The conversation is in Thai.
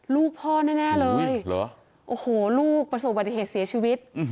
ลูกพ่อแน่เลยโอ้โหลูกประสบปฏิเหตุเสียชีวิต